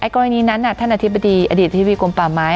กรณีนั้นท่านอธิบดีอดีตธิบดีกรมป่าไม้